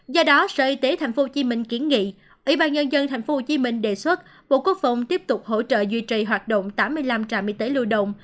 do đó sở y tế tp hcm kiến nghị ủy ban nhân dân tp hcm đề xuất bộ quốc phòng tiếp tục hỗ trợ duy trì hoạt động tám mươi năm trạm y tế lưu động